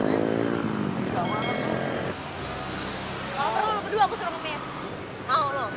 ini kan malu juga nih